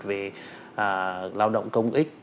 về lao động công ích